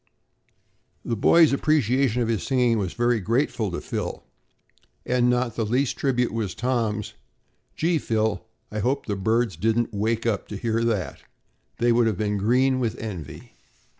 The boys' appreciation of his singing was very grateful to Phil, and not the least tribute was Tom's: "Gee, Phil, I hope the birds didn't wake up to hear that. They would have been green with envy."